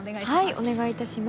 はいお願いいたします。